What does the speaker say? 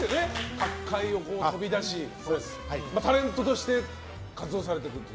角界を飛び出しタレントとして活動されている。